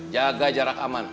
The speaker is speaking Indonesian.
jaga jarak aman